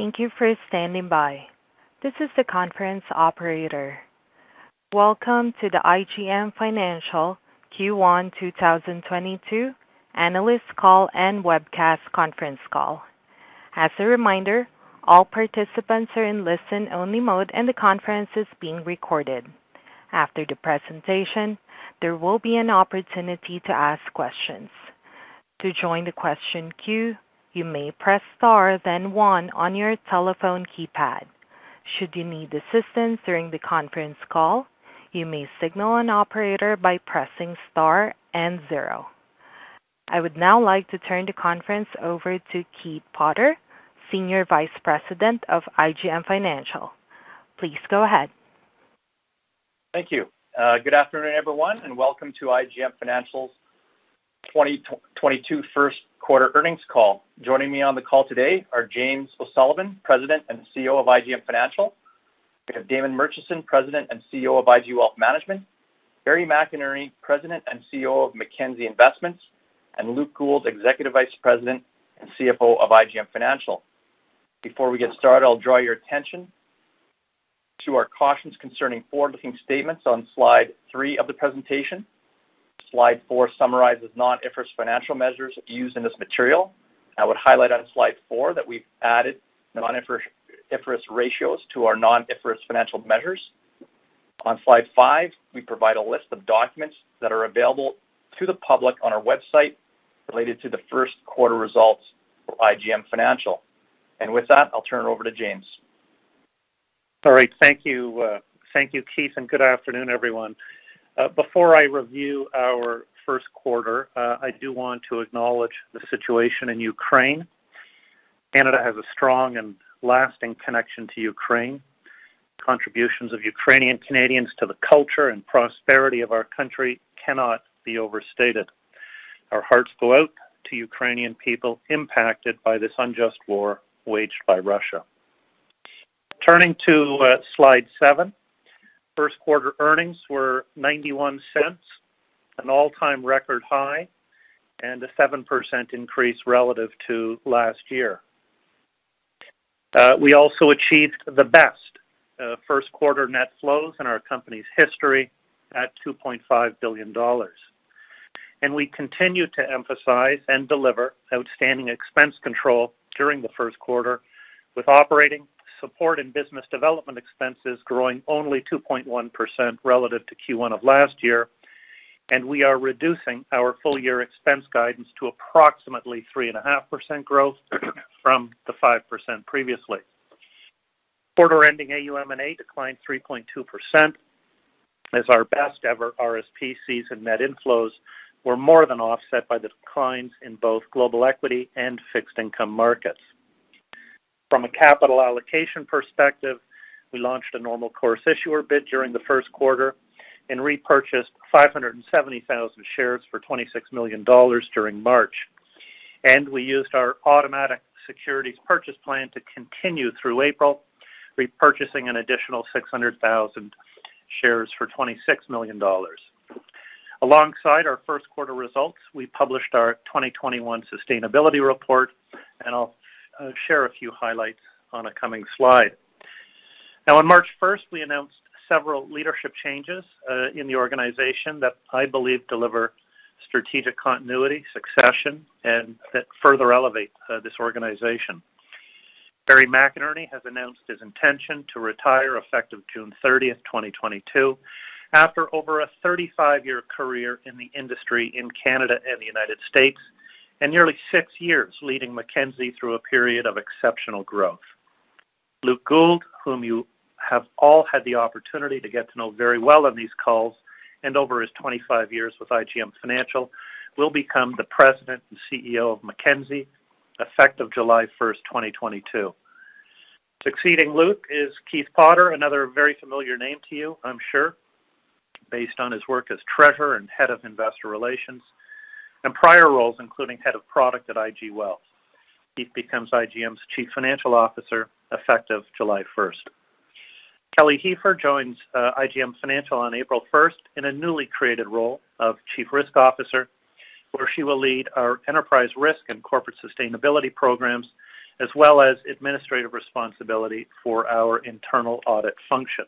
Thank you for standing by. This is the conference operator. Welcome to the IGM Financial Q1 2022 analyst call and webcast conference call. As a reminder, all participants are in listen-only mode, and the conference is being recorded. After the presentation, there will be an opportunity to ask questions. To join the question queue, you may press star then one on your telephone keypad. Should you need assistance during the conference call, you may signal an operator by pressing star and zero. I would now like to turn the conference over to Keith Potter, Senior Vice President of IGM Financial. Please go ahead. Thank you. Good afternoon everyone and welcome to IGM Financial's 2022 first quarter earnings call. Joining me on the call today are James O'Sullivan, President and CEO of IGM Financial. We have Damon Murchison, President and CEO of IG Wealth Management. Barry McInerney, President and CEO of Mackenzie Investments, and Luke Gould, Executive Vice President and CFO of IGM Financial. Before we get started, I'll draw your attention to our cautions concerning forward-looking statements on slide 3 of the presentation. Slide 4 summarizes non-IFRS financial measures used in this material. I would highlight on slide 4 that we've added non-IFRS, IFRS ratios to our non-IFRS financial measures. On slide 5, we provide a list of documents that are available to the public on our website related to the first quarter results for IGM Financial. With that, I'll turn it over to James. All right. Thank you. Thank you Keith and good afternoon everyone. Before I review our Q1, I do want to acknowledge the situation in Ukraine. Canada has a strong and lasting connection to Ukraine. Contributions of Ukrainian Canadians to the culture and prosperity of our country cannot be overstated. Our hearts go out to Ukrainian people impacted by this unjust war waged by Russia. Turning to slide seven, Q1 earnings were 0.91, an all-time record high, and a 7% increase relative to last year. We also achieved the best Q1 net flows in our company's history at 2.5 billion dollars. We continue to emphasize and deliver outstanding expense control during the Q1, with operating support and business development expenses growing only 2.1% relative to Q1 of last year. We are reducing our full-year expense guidance to approximately 3.5% growth from the 5% previously. Quarter ending AUM&A declined 3.2% as our best ever RSP season net inflows were more than offset by the declines in both global equity and fixed income markets. From a capital allocation perspective, we launched a normal course issuer bid during the Q1 and repurchased 570,000 shares for 26 million dollars during March. We used our automatic securities purchase plan to continue through April, repurchasing an additional 600,000 shares for 26 million dollars. Alongside our first quarter results, we published our 2021 sustainability report and I'll share a few highlights on a coming slide. Now on March first, we announced several leadership changes in the organization that I believe deliver strategic continuity, succession and that further elevate this organization. Barry McInerney has announced his intention to retire effective June thirtieth, 2022, after over a 35-year career in the industry in Canada and the United States, and nearly 6 years leading Mackenzie through a period of exceptional growth. Luke Gould, whom you have all had the opportunity to get to know very well on these calls and over his 25 years with IGM Financial, will become the President and CEO of Mackenzie, effective July first, 2022. Succeeding Luke is Keith Potter, another very familiar name to you, I'm sure, based on his work as Treasurer and Head of Investor Relations and prior roles, including Head of Product at IG Wealth. Keith becomes IGM's Chief Financial Officer, effective July first. Kelly Hepher joins IGM Financial on April first in a newly created role of Chief Risk Officer, where she will lead our enterprise risk and corporate sustainability programs, as well as administrative responsibility for our internal audit function.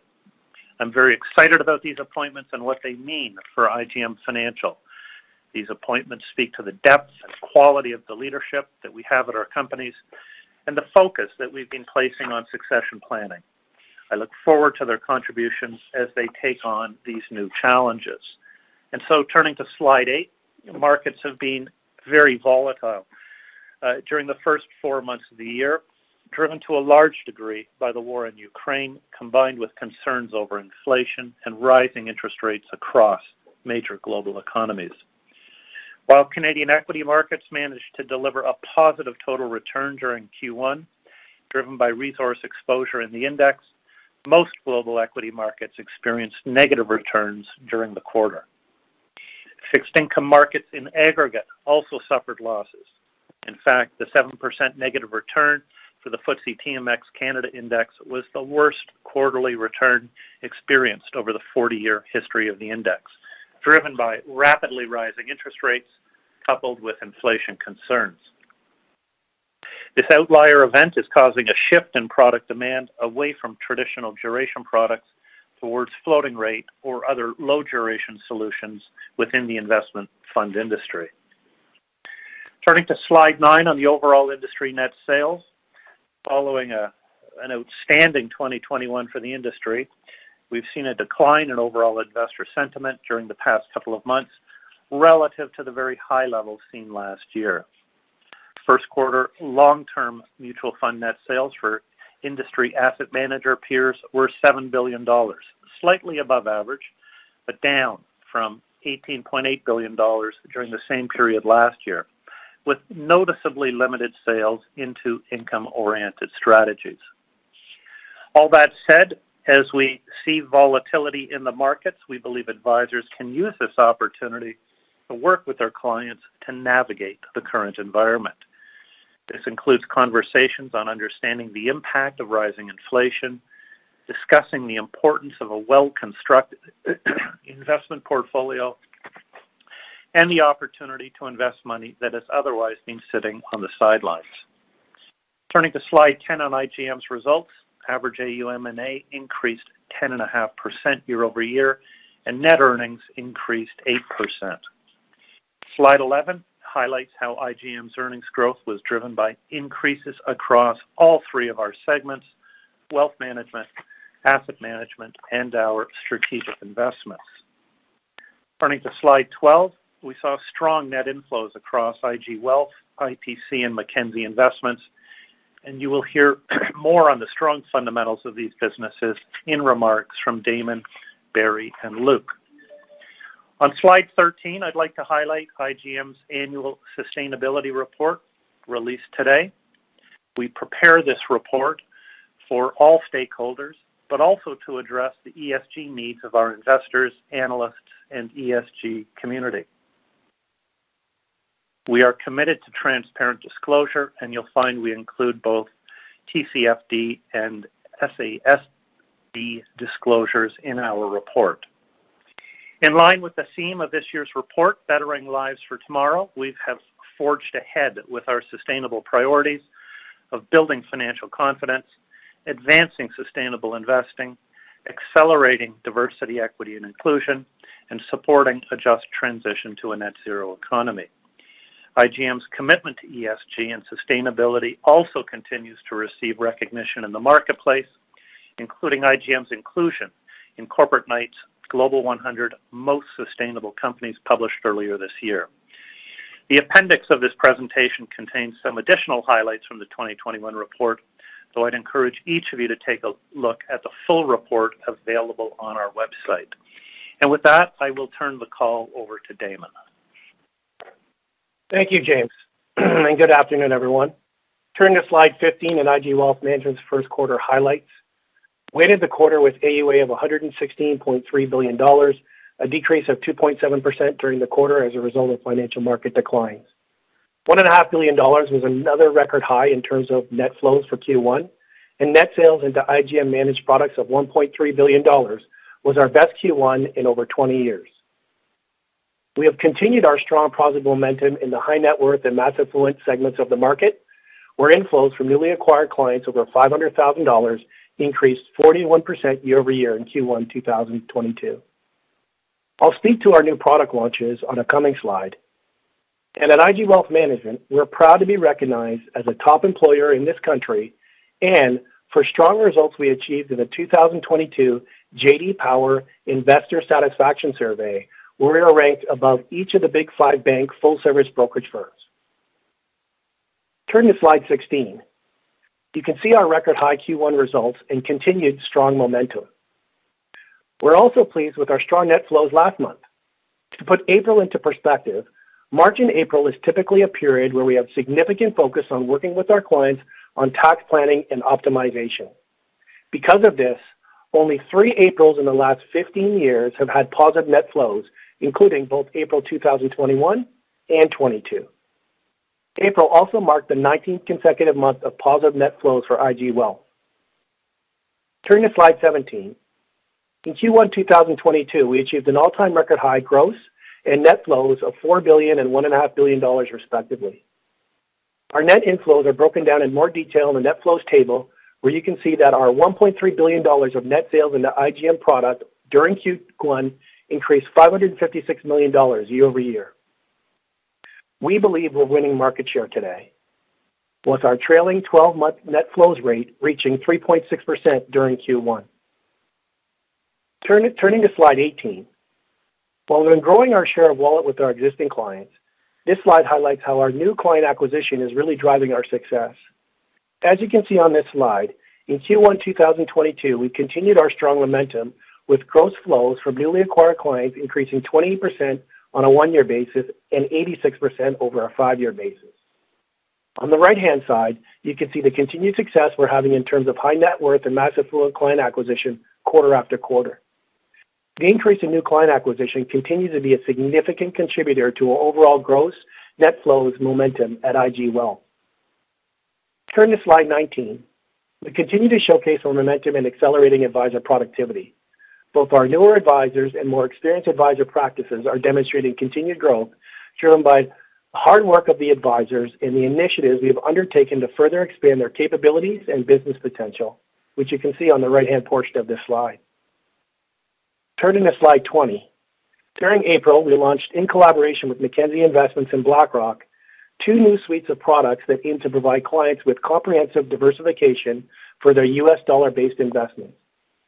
I'm very excited about these appointments and what they mean for IGM Financial. These appointments speak to the depth and quality of the leadership that we have at our companies and the focus that we've been placing on succession planning. I look forward to their contributions as they take on these new challenges. Turning to slide 8, markets have been very volatile during the first 4 months of the year, driven to a large degree by the war in Ukraine, combined with concerns over inflation and rising interest rates across major global economies. While Canadian equity markets managed to deliver a positive total return during Q1, driven by resource exposure in the index, most global equity markets experienced negative returns during the quarter. Fixed income markets in aggregate also suffered losses. In fact, the 7% negative return for the FTSE TMX Canada Index was the worst quarterly return experienced over the 40-year history of the index. Driven by rapidly rising interest rates coupled with inflation concerns. This outlier event is causing a shift in product demand away from traditional duration products towards floating rate or other low duration solutions within the investment fund industry. Turning to slide 9 on the overall industry net sales. Following an outstanding 2021 for the industry, we've seen a decline in overall investor sentiment during the past couple of months relative to the very high levels seen last year. Q1 long-term mutual fund net sales for industry asset manager peers were 7 billion dollars, slightly above average, but down from 18.8 billion dollars during the same period last year, with noticeably limited sales into income-oriented strategies. All that said, as we see volatility in the markets, we believe advisors can use this opportunity to work with their clients to navigate the current environment. This includes conversations on understanding the impact of rising inflation, discussing the importance of a well-constructed investment portfolio, and the opportunity to invest money that has otherwise been sitting on the sidelines. Turning to slide 10 on IGM's results. Average AUM&A increased 10.5% year-over-year, and net earnings increased 8%. Slide 11 highlights how IGM's earnings growth was driven by increases across all three of our segments: wealth management, asset management, and our strategic investments. Turning to slide 12. We saw strong net inflows across IG Wealth, IPC, and Mackenzie Investments, and you will hear more on the strong fundamentals of these businesses in remarks from Damon, Barry, and Luke. On slide 13, I'd like to highlight IGM's annual sustainability report released today. We prepare this report for all stakeholders, but also to address the ESG needs of our investors, analysts, and ESG community. We are committed to transparent disclosure, and you'll find we include both TCFD and SASB disclosures in our report. In line with the theme of this year's report, Bettering Lives for Tomorrow, we have forged ahead with our sustainable priorities of building financial confidence, advancing sustainable investing, accelerating diversity, equity, and inclusion, and supporting a just transition to a net zero economy. IGM's commitment to ESG and sustainability also continues to receive recognition in the marketplace, including IGM's inclusion in Corporate Knights Global 100 Most Sustainable Companies published earlier this year. The appendix of this presentation contains some additional highlights from the 2021 report, so I'd encourage each of you to take a look at the full report available on our website. With that, I will turn the call over to Damon. Thank you, James. Good afternoon everyone. Turning to slide 15 in IG Wealth Management's Q1 highlights. We ended the quarter with AUA of 116.3 billion dollars, a decrease of 2.7% during the quarter as a result of financial market declines. 1.5 billion dollars was another record high in terms of net flows for Q1, and net sales into IGM managed products of 1.3 billion dollars was our best Q1 in over 20 years. We have continued our strong positive momentum in the high net worth and mass affluent segments of the market, where inflows from newly acquired clients over 500,000 dollars increased 41% year over year in Q1 2022. I'll speak to our new product launches on a coming slide. At IG Wealth Management, we are proud to be recognized as a top employer in this country and for strong results we achieved in the 2022 J.D. Power Investor Satisfaction Survey, where we are ranked above each of the Big Five bank full-service brokerage firms. Turn to slide 16. You can see our record high Q1 results and continued strong momentum. We're also pleased with our strong net flows last month. To put April into perspective, March and April is typically a period where we have significant focus on working with our clients on tax planning and optimization. Because of this, only 3 Aprils in the last 15 years have had positive net flows, including both April 2021 and 2022. April also marked the 19th consecutive month of positive net flows for IG Wealth. Turn to slide 17. In Q1 2022, we achieved an all-time record high gross and net flows of 4 billion and 1.5 billion dollars, respectively. Our net inflows are broken down in more detail in the net flows table, where you can see that our 1.3 billion dollars of net sales into IGM product during Q1 increased 556 million dollars year-over-year. We believe we're winning market share today with our trailing twelve-month net flows rate reaching 3.6% during Q1. Turning to slide 18. While we've been growing our share of wallet with our existing clients, this slide highlights how our new client acquisition is really driving our success. As you can see on this slide, in Q1 2022, we continued our strong momentum with gross flows from newly acquired clients increasing 20% on a 1-year basis and 86% over a 5-year basis. On the right-hand side, you can see the continued success we're having in terms of high net worth and mass affluent client acquisition quarter after quarter. The increase in new client acquisition continues to be a significant contributor to our overall gross net flows momentum at IG Wealth. Turn to slide 19. We continue to showcase our momentum in accelerating advisor productivity. Both our newer advisors and more experienced advisor practices are demonstrating continued growth driven by the hard work of the advisors and the initiatives we have undertaken to further expand their capabilities and business potential, which you can see on the right-hand portion of this slide. Turning to slide 20. During April, we launched in collaboration with Mackenzie Investments and BlackRock, two new suites of products that aim to provide clients with comprehensive diversification for their US dollar-based investment,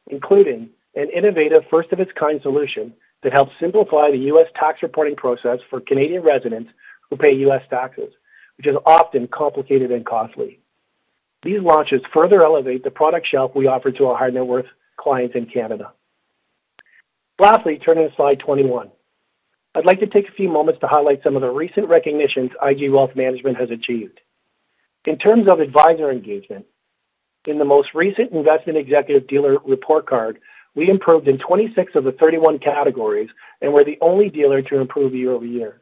including an innovative first of its kind solution that helps simplify the US tax reporting process for Canadian residents who pay US taxes, which is often complicated and costly. These launches further elevate the product shelf we offer to our high net worth clients in Canada. Lastly, turning to slide 21. I'd like to take a few moments to highlight some of the recent recognitions IG Wealth Management has achieved. In terms of advisor engagement, in the most recent Investment Executive dealer report card, we improved in 26 of the 31 categories, and we're the only dealer to improve year-over-year.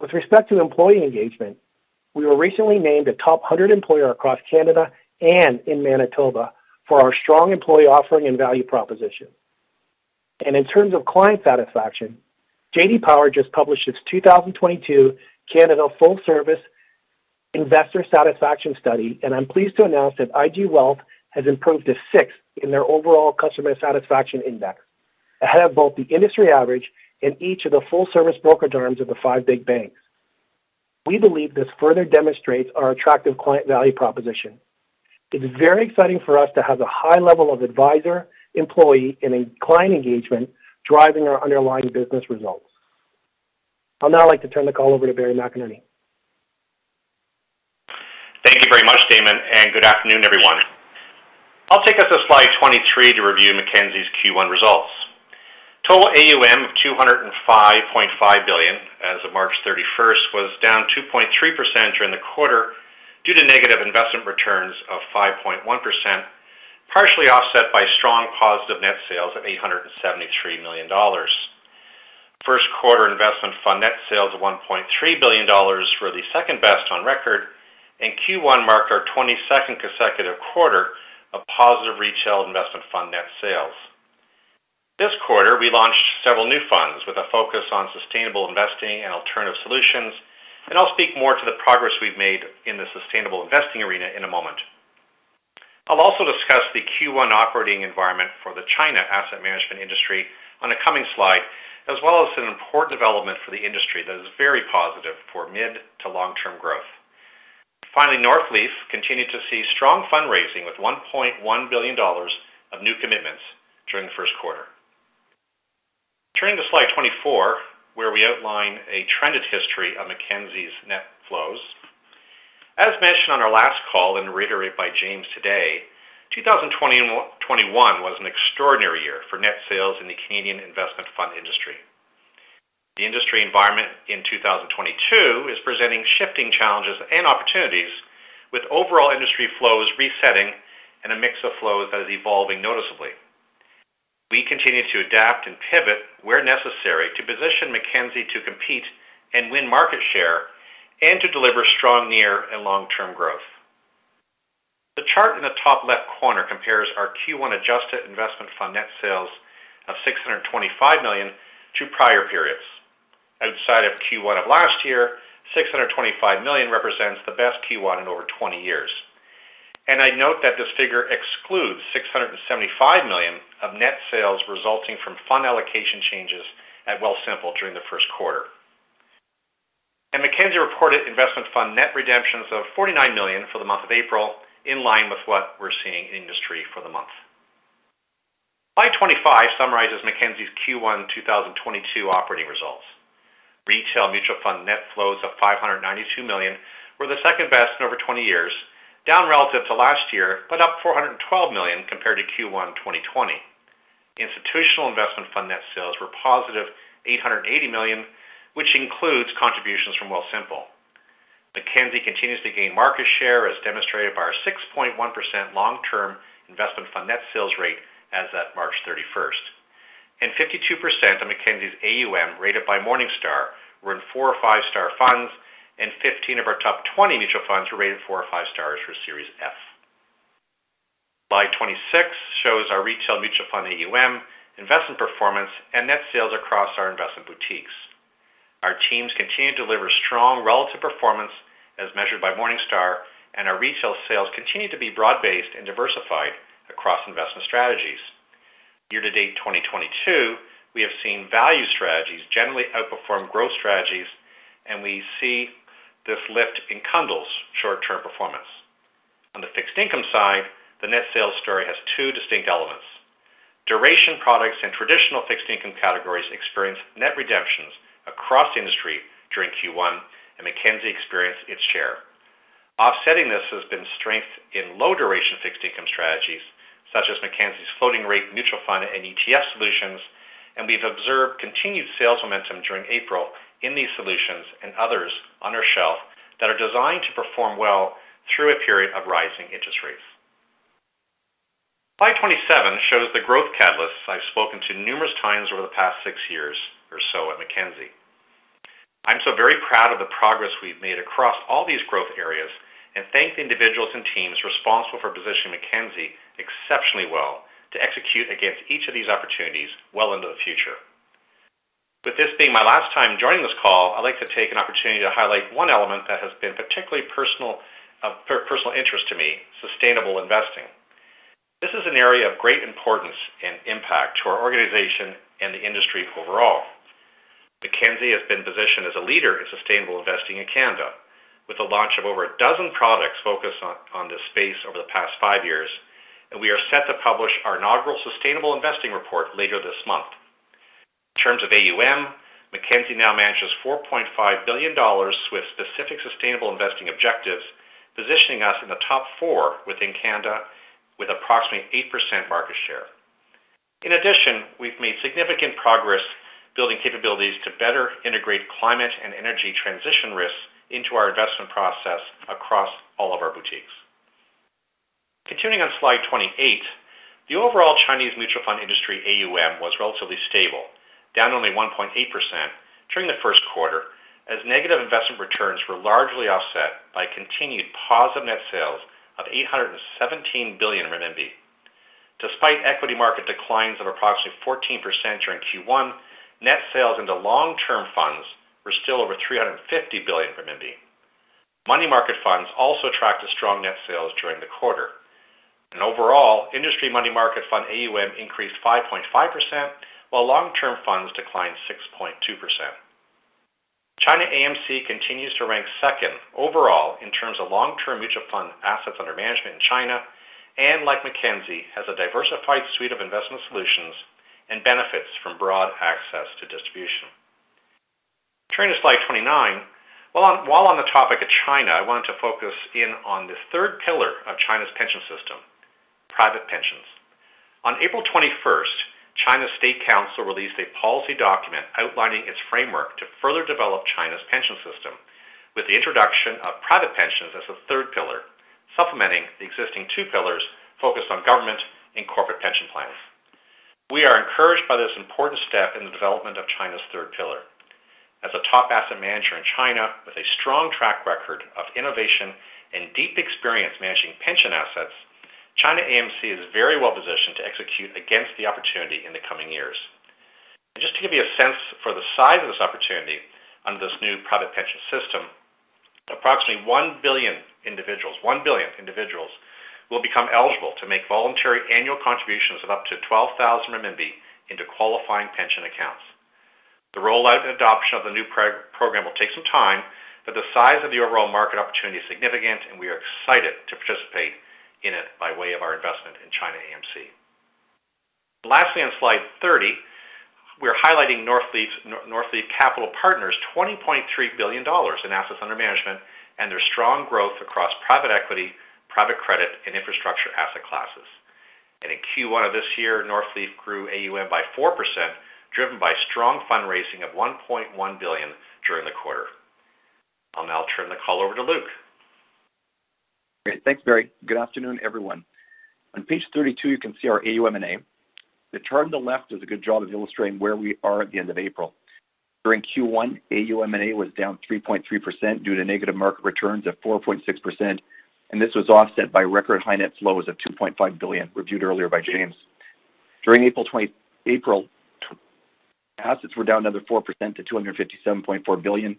With respect to employee engagement, we were recently named a top 100 employer across Canada and in Manitoba for our strong employee offering and value proposition. In terms of client satisfaction, J.D. Power just published its 2022 Canada Full-Service Investor Satisfaction Study, and I'm pleased to announce that IG Wealth has improved to sixth in their overall customer satisfaction index, ahead of both the industry average and each of the full service brokerage arms of the 5 big banks. We believe this further demonstrates our attractive client value proposition. It is very exciting for us to have a high level of advisor, employee, and client engagement driving our underlying business results. I'll now like to turn the call over to Barry McInerney. Thank you very much, Damon, and good afternoon everyone. I'll take us to slide 23 to review Mackenzie's Q1 results. Total AUM of 205.5 billion as of March 31 was down 2.3% during the quarter due to negative investment returns of 5.1%, partially offset by strong positive net sales of 873 million dollars. Q1 investment fund net sales of 1.3 billion dollars were the second-best on record, and Q1 marked our 22nd consecutive quarter of positive retail investment fund net sales. This quarter, we launched several new funds with a focus on sustainable investing and alternative solutions, and I'll speak more to the progress we've made in the sustainable investing arena in a moment. I'll also discuss the Q1 operating environment for the China asset management industry on a coming slide, as well as an important development for the industry that is very positive for mid to long-term growth. Finally, Northleaf continued to see strong fundraising with 1.1 billion dollars of new commitments during the first quarter. Turning to slide 24, where we outline a trended history of Mackenzie's net flows. As mentioned on our last call and reiterated by James today, 2021 was an extraordinary year for net sales in the Canadian investment fund industry. The industry environment in 2022 is presenting shifting challenges and opportunities with overall industry flows resetting and a mix of flows that is evolving noticeably. We continue to adapt and pivot where necessary to position Mackenzie to compete and win market share and to deliver strong near and long-term growth. The chart in the top left corner compares our Q1 adjusted investment fund net sales of 625 million to prior periods. Outside of Q1 of last year, 625 million represents the best Q1 in over 20 years. I note that this figure excludes 675 million of net sales resulting from fund allocation changes at Wealthsimple during the Q1. Mackenzie reported investment fund net redemptions of 49 million for the month of April, in line with what we're seeing in industry for the month. Slide 25 summarizes Mackenzie's Q1 2022 operating results. Retail mutual fund net flows of 592 million were the second best in over 20 years, down relative to last year, but up 412 million compared to Q1 2020. Institutional investment fund net sales were positive 880 million, which includes contributions from Wealthsimple. Mackenzie continues to gain market share as demonstrated by our 6.1% long-term investment fund net sales rate as at March 31. 52% of Mackenzie's AUM rated by Morningstar were in 4- or 5-star funds, and 15 of our top 20 mutual funds were rated 4 or 5 stars for Series F. Slide 26 shows our retail mutual fund AUM, investment performance, and net sales across our investment boutiques. Our teams continue to deliver strong relative performance as measured by Morningstar, and our retail sales continue to be broad-based and diversified across investment strategies. Year to date 2022, we have seen value strategies generally outperform growth strategies, and we see this lift in Cundill's short-term performance. On the fixed income side, the net sales story has two distinct elements. Duration products and traditional fixed income categories experienced net redemptions across the industry during Q1, and Mackenzie experienced its share. Offsetting this has been strength in low duration fixed income strategies, such as Mackenzie's floating rate mutual fund and ETF solutions. We've observed continued sales momentum during April in these solutions and others on our shelf that are designed to perform well through a period of rising interest rates. Slide 27 shows the growth catalysts I've spoken to numerous times over the past six years or so at Mackenzie. I'm so very proud of the progress we've made across all these growth areas, and thank the individuals and teams responsible for positioning Mackenzie exceptionally well to execute against each of these opportunities well into the future. With this being my last time joining this call, I'd like to take an opportunity to highlight one element that has been particularly personal, of personal interest to me, sustainable investing. This is an area of great importance and impact to our organization and the industry overall. Mackenzie has been positioned as a leader in sustainable investing in Canada with the launch of over a dozen products focused on this space over the past five years, and we are set to publish our inaugural sustainable investing report later this month. In terms of AUM, Mackenzie now manages 4.5 billion dollars with specific sustainable investing objectives, positioning us in the top 4 within Canada with approximately 8% market share. In addition, we've made significant progress building capabilities to better integrate climate and energy transition risks into our investment process across all of our boutiques. Continuing on slide 28, the overall Chinese mutual fund industry AUM was relatively stable, down only 1.8% during the first quarter, as negative investment returns were largely offset by continued positive net sales of 817 billion RMB. Despite equity market declines of approximately 14% during Q1, net sales into long-term funds were still over 350 billion renminbi. Money market funds also attracted strong net sales during the quarter. Overall, industry money market fund AUM increased 5.5%, while long-term funds declined 6.2%. China AMC continues to rank second overall in terms of long-term mutual fund assets under management in China, and like Mackenzie, has a diversified suite of investment solutions and benefits from broad access to distribution. Turning to slide 29. While on the topic of China, I wanted to focus in on the third pillar of China's pension system, private pensions. On April twenty-first, China's State Council released a policy document outlining its framework to further develop China's pension system with the introduction of private pensions as a third pillar, supplementing the existing 2 pillars focused on government and corporate pension plans. We are encouraged by this important step in the development of China's third pillar. As a top asset manager in China with a strong track record of innovation and deep experience managing pension assets, China AMC is very well positioned to execute against the opportunity in the coming years. Just to give you a sense for the size of this opportunity under this new private pension system, approximately 1 billion individuals will become eligible to make voluntary annual contributions of up to 12,000 renminbi into qualifying pension accounts. The rollout and adoption of the new program will take some time, but the size of the overall market opportunity is significant, and we are excited to participate in it by way of our investment in China AMC. Lastly, on slide 30, we are highlighting Northleaf Capital Partners' 20.3 billion dollars in assets under management and their strong growth across private equity, private credit, and infrastructure asset classes. In Q1 of this year, Northleaf grew AUM by 4%, driven by strong fundraising of 1.1 billion during the quarter. I'll now turn the call over to Luke. Great. Thanks, Barry. Good afternoon, everyone. On page 32, you can see our AUM&A. The chart on the left does a good job of illustrating where we are at the end of April. During Q1, AUM&A was down 3.3% due to negative market returns of 4.6%, and this was offset by record high net flows of 2.5 billion reviewed earlier by James. During April, assets were down another 4% to 257.4 billion.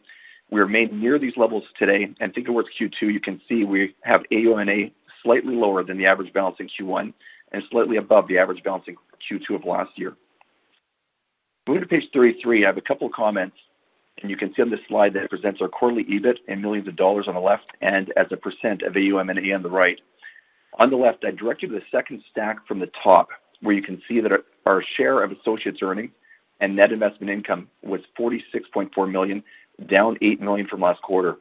We remain near these levels today, and thinking towards Q2, you can see we have AUM&A slightly lower than the average balance in Q1 and slightly above the average balance in Q2 of last year. Moving to page 33, I have a couple comments, and you can see on this slide that it presents our quarterly EBIT in millions of dollars on the left and as a percent of AUM and AUM&A on the right. On the left, I direct you to the second stack from the top, where you can see that our share of associates' earnings and net investment income was 46.4 million, down 8 million from last quarter.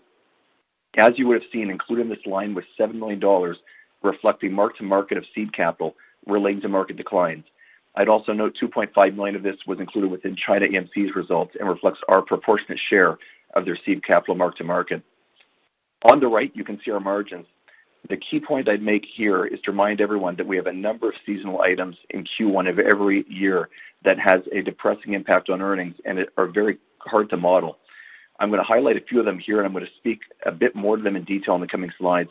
As you would have seen, included in this line was 7 million dollars reflecting mark to market of seed capital relating to market declines. I'd also note 2.5 million of this was included within China AMC's results and reflects our proportionate share of their seed capital mark to market. On the right, you can see our margins. The key point I'd make here is to remind everyone that we have a number of seasonal items in Q1 of every year that has a depressing impact on earnings, and it are very hard to model. I'm going to highlight a few of them here, and I'm going to speak a bit more to them in detail on the coming slides.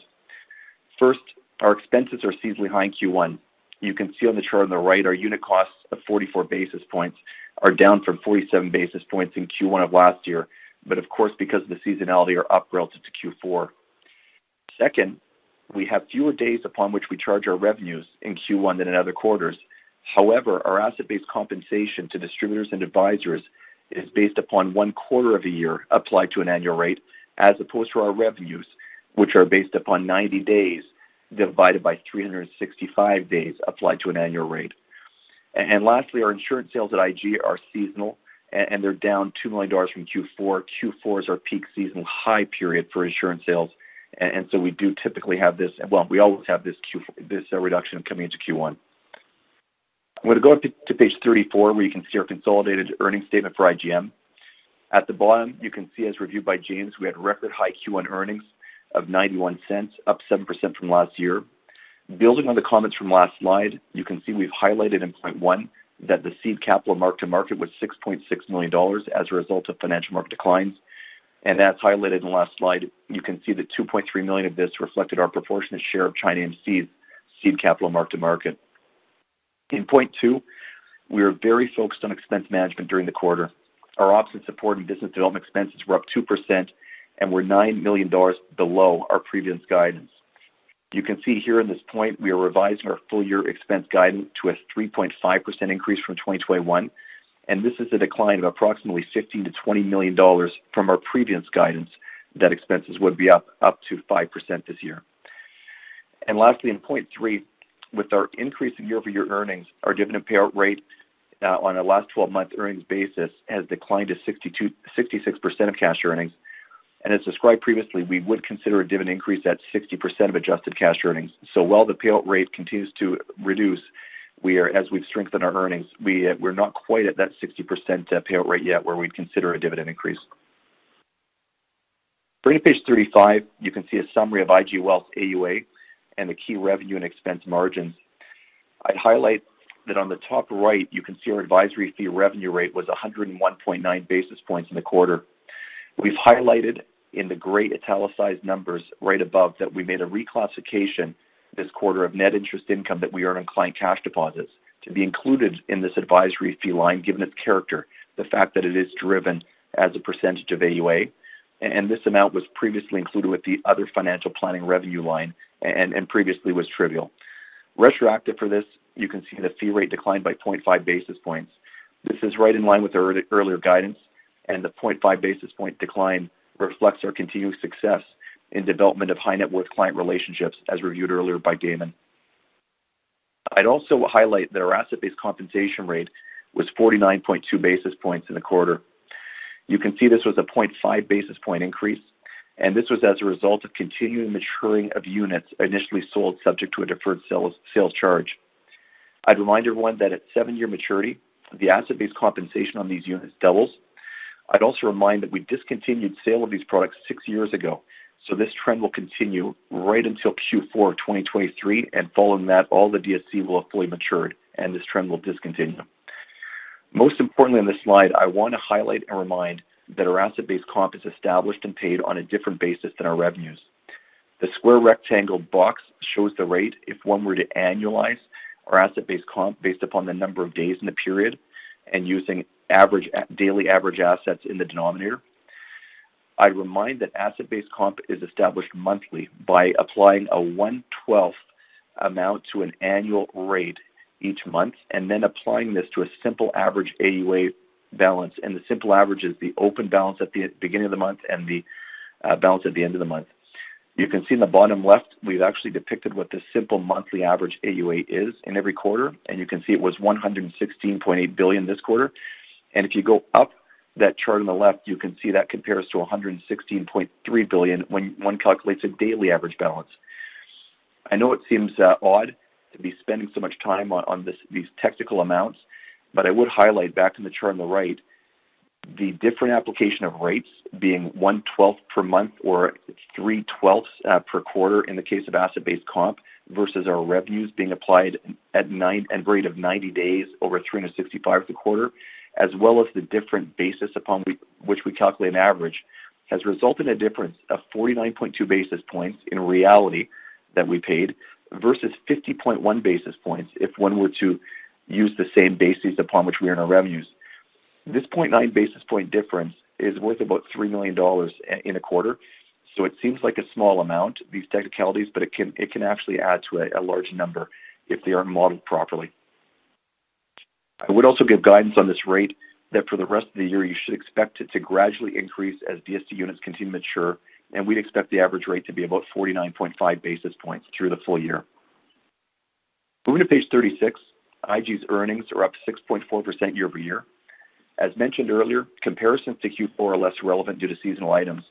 First, our expenses are seasonally high in Q1. You can see on the chart on the right, our unit costs of 44 basis points are down from 47 basis points in Q1 of last year, but of course, because of the seasonality are up relative to Q4. Second, we have fewer days upon which we charge our revenues in Q1 than in other quarters. However, our asset-based compensation to distributors and advisors is based upon one quarter of a year applied to an annual rate, as opposed to our revenues, which are based upon 90 days divided by 365 days applied to an annual rate. Lastly, our insurance sales at IG are seasonal, and they're down 2 million dollars from Q4. Q4 is our peak seasonal high period for insurance sales. We do typically have this. Well, we always have this reduction coming into Q1. I'm going to go up to page 34, where you can see our consolidated earnings statement for IGM. At the bottom, you can see as reviewed by James, we had record high Q1 earnings of 0.91, up 7% from last year. Building on the comments from last slide, you can see we've highlighted in point one that the seed capital mark to market was 6.6 million dollars as a result of financial market declines. As highlighted in the last slide, you can see the 2.3 million of this reflected our proportionate share of China AMC's seed capital mark to market. In point two, we are very focused on expense management during the quarter. Our ops and support and business development expenses were up 2%, and we're 9 million dollars below our previous guidance. You can see here in this point, we are revising our full year expense guidance to a 3.5% increase from 2021, and this is a decline of approximately 15 million-20 million dollars from our previous guidance that expenses would be up to 5% this year. Lastly, in point three, with our increase in year-over-year earnings, our dividend payout rate on a last twelve-month earnings basis has declined to 62%-66% of cash earnings. As described previously, we would consider a dividend increase at 60% of adjusted cash earnings. While the payout rate continues to reduce, as we've strengthened our earnings, we're not quite at that 60% payout rate yet where we'd consider a dividend increase. Turning to page 35, you can see a summary of IG Wealth's AUA and the key revenue and expense margins. I'd highlight that on the top right, you can see our advisory fee revenue rate was 101.9 basis points in the quarter. We've highlighted in the gray italicized numbers right above that we made a reclassification this quarter of net interest income that we earn on client cash deposits to be included in this advisory fee line given its character, the fact that it is driven as a percentage of AUA. This amount was previously included with the other financial planning revenue line and previously was trivial. Retroactive for this, you can see the fee rate declined by 0.5 basis points. This is right in line with our earlier guidance, and the 0.5 basis point decline reflects our continued success in development of high net worth client relationships as reviewed earlier by Damon. I'd also highlight that our asset-based compensation rate was 49.2 basis points in the quarter. You can see this was a 0.5 basis points increase, and this was as a result of continuing maturing of units initially sold subject to a deferred sales charge. I'd remind everyone that at 7-year maturity, the asset-based compensation on these units doubles. I'd also remind that we discontinued sale of these products 6 years ago, so this trend will continue right until Q4 of 2023, and following that, all the DSC will have fully matured, and this trend will discontinue. Most importantly on this slide, I want to highlight and remind that our asset-based comp is established and paid on a different basis than our revenues. The square rectangle box shows the rate if one were to annualize our asset-based comp based upon the number of days in the period and using average daily average assets in the denominator. I'd remind that asset-based comp is established monthly by applying a one-twelfth amount to an annual rate each month and then applying this to a simple average AUA balance. The simple average is the open balance at the beginning of the month and the balance at the end of the month. You can see in the bottom left, we've actually depicted what the simple monthly average AUA is in every quarter, and you can see it was 116.8 billion this quarter. If you go up that chart on the left, you can see that compares to 116.3 billion when one calculates a daily average balance. I know it seems odd to be spending so much time on these technical amounts, but I would highlight back in the chart on the right the different application of rates being 1/12 per month or 3/12 per quarter in the case of asset-based comp versus our revenues being applied at rate of 90 days over 365 a quarter, as well as the different basis upon which we calculate an average, has resulted in a difference of 49.2 basis points in reality that we paid versus 50.1 basis points if one were to use the same basis upon which we earn our revenues. This 0.9 basis point difference is worth about 3 million dollars in a quarter. It seems like a small amount, these technicalities, but it can actually add to a large number if they aren't modeled properly. I would also give guidance on this rate that for the rest of the year, you should expect it to gradually increase as DSC units continue to mature, and we'd expect the average rate to be about 49.5 basis points through the full year. Going to page 36, IG's earnings are up 6.4% year-over-year. As mentioned earlier, comparisons to Q4 are less relevant due to seasonal items.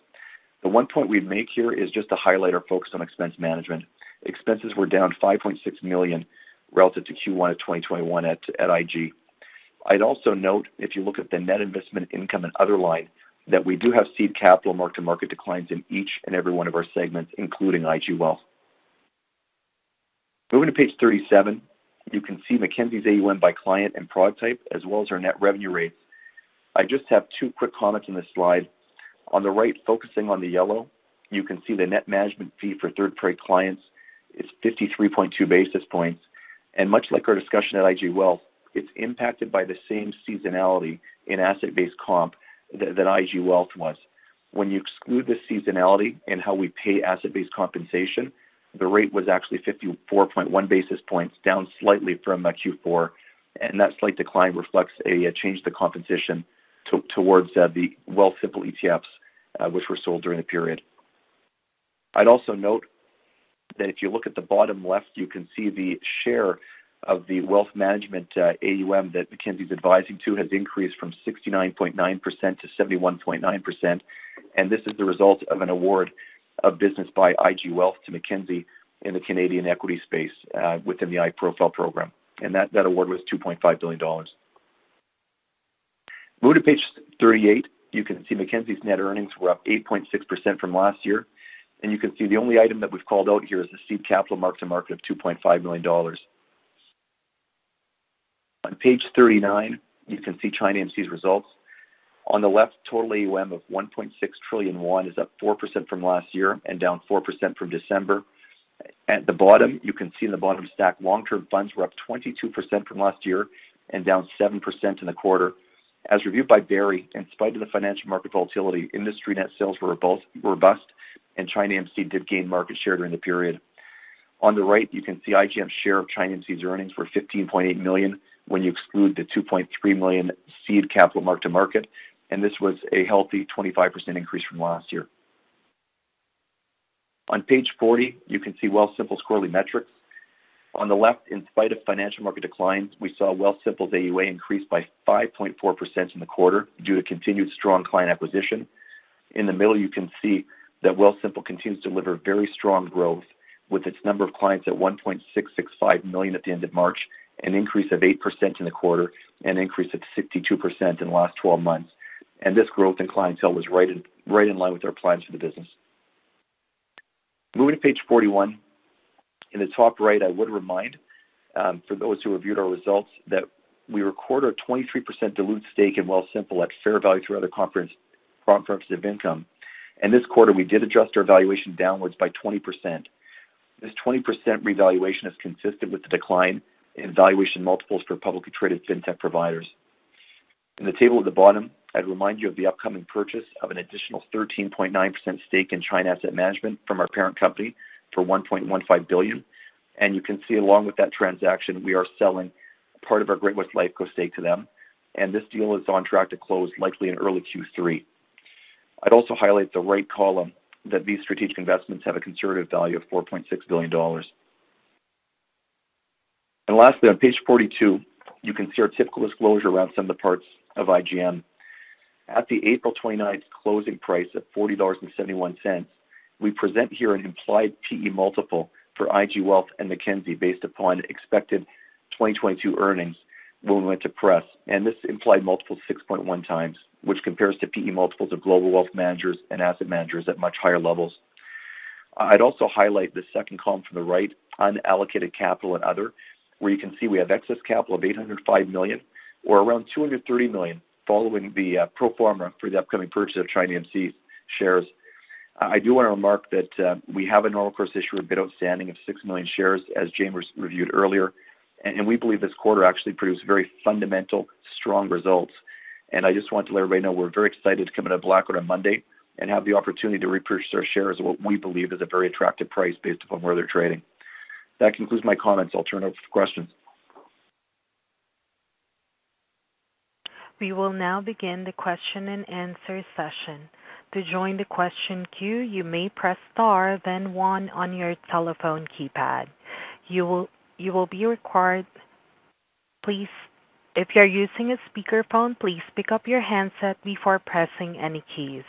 The 1 point we'd make here is just to highlight our focus on expense management. Expenses were down 5.6 million relative to Q1 of 2021 at IG. I'd also note, if you look at the net investment income and other line, that we do have seed capital mark-to-market declines in each and every one of our segments, including IG Wealth. Going to page 37, you can see Mackenzie's AUM by client and product type as well as our net revenue rates. I just have 2 quick comments on this slide. On the right, focusing on the yellow, you can see the net management fee for third-party clients is 53.2 basis points. Much like our discussion at IG Wealth, it's impacted by the same seasonality in asset-based comp that IG Wealth was. When you exclude the seasonality in how we pay asset-based compensation, the rate was actually 54.1 basis points, down slightly from Q4. That slight decline reflects a change in competition towards the Wealthsimple ETFs, which were sold during the period. I'd also note that if you look at the bottom left, you can see the share of the wealth management AUM that Mackenzie's advising to has increased from 69.9% to 71.9%, and this is the result of an award of business by IG Wealth to Mackenzie in the Canadian equity space within the iProfile program. That award was 2.5 billion dollars. Move to page 38. You can see Mackenzie's net earnings were up 8.6% from last year. You can see the only item that we've called out here is the seed capital mark to market of 2.5 million dollars. On page 39, you can see China AMC's results. On the left, total AUM of CNY 1.6 trillion is up 4% from last year and down 4% from December. At the bottom, you can see in the bottom stack, long-term funds were up 22% from last year and down 7% in the quarter. As reviewed by Barry, in spite of the financial market volatility, industry net sales were both robust and China AMC did gain market share during the period. On the right, you can see IGM's share of China AMC's earnings were 15.8 million when you exclude the 2.3 million seed capital mark to market, and this was a healthy 25% increase from last year. On page 40, you can see Wealthsimple's quarterly metrics. On the left, in spite of financial market declines, we saw Wealthsimple's AUA increase by 5.4% in the quarter due to continued strong client acquisition. In the middle, you can see that Wealthsimple continues to deliver very strong growth with its number of clients at 1.665 million at the end of March, an increase of 8% in the quarter, an increase of 62% in the last twelve months. This growth in clientele was right in line with our plans for the business. Moving to page 41. In the top right, I would remind for those who reviewed our results, that we record our 23% diluted stake in Wealthsimple at fair value to other comprehensive income. In this quarter, we did adjust our valuation downwards by 20%. This 20% revaluation is consistent with the decline in valuation multiples for publicly traded fintech providers. In the table at the bottom, I'd remind you of the upcoming purchase of an additional 13.9% stake in China Asset Management from our parent company for 1.15 billion. You can see along with that transaction, we are selling part of our Great-West Lifeco stake to them. This deal is on track to close likely in early Q3. I'd also highlight the right column that these strategic investments have a conservative value of 4.6 billion dollars. Lastly, on page 42, you can see our typical disclosure around some of the parts of IGM. At the April 29 closing price of 40.71 dollars, we present here an implied PE multiple for IG Wealth and Mackenzie based upon expected 2022 earnings when we went to press, and this implied multiple 6.1x, which compares to PE multiples of global wealth managers and asset managers at much higher levels. I'd also highlight the second column from the right, unallocated capital and other, where you can see we have excess capital of 805 million, or around 230 million following the pro forma for the upcoming purchase of China AMC shares. I do want to remark that we have a normal course issuer bid outstanding of 6 million shares, as James reviewed earlier. We believe this quarter actually produced very fundamentally strong results. I just want to let everybody know we're very excited to come into the blackout on Monday and have the opportunity to repurchase our shares at what we believe is a very attractive price based upon where they're trading. That concludes my comments. I'll turn over to questions. We will now begin the question-and-answer session. To join the question queue, you may press star then one on your telephone keypad. You will be required. Please, if you're using a speakerphone, please pick up your handset before pressing any keys.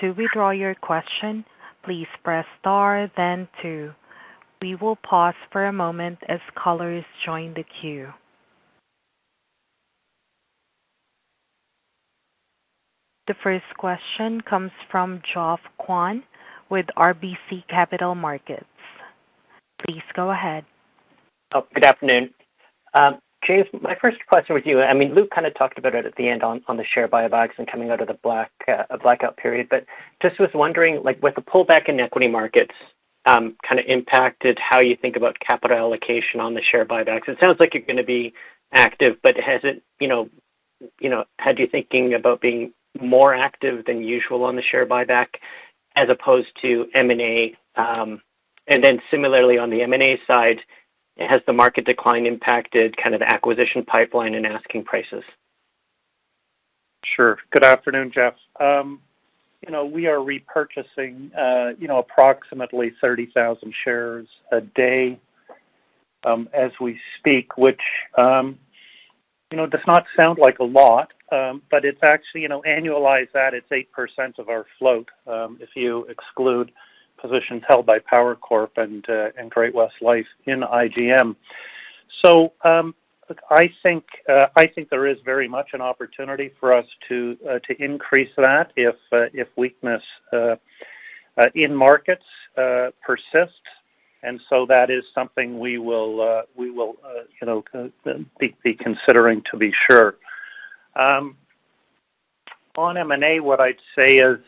To withdraw your question, please press star then two. We will pause for a moment as callers join the queue. The first question comes from Geoff Kwan with RBC Capital Markets. Please go ahead. Good afternoon. James, my first question with you, I mean, Luke kind of talked about it at the end on the share buybacks and coming out of the blackout period. Just was wondering, like, with the pullback in equity markets, kind of impacted how you think about capital allocation on the share buybacks. It sounds like you're going to be active, but has it, you know, had you thinking about being more active than usual on the share buyback as opposed to M&A? Similarly on the M&A side, has the market decline impacted kind of acquisition pipeline and asking prices? Sure. Good afternoon, Geoff. You know, we are repurchasing, you know, approximately 30,000 shares a day, as we speak, which, you know, does not sound like a lot, but it's actually, you know, annualize that, it's 8% of our float, if you exclude positions held by Power Corp and Great-West Lifeco in IGM. I think there is very much an opportunity for us to increase that if weakness in markets persists. That is something we will be considering to be sure. On M&A, what I'd say is,